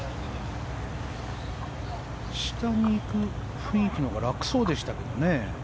下に行く雰囲気のほうが楽そうでしたけどね。